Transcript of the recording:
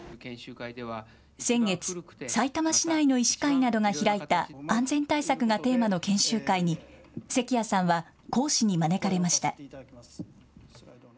先月、さいたま市内の医師会などが開いた安全対策がテーマの研修会に関谷さんは講師に招かれました。